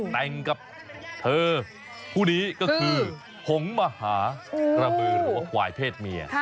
แต่งกับเธอผู้นี้ก็คือหงมหากระบือหรือว่าควายเพศเมีย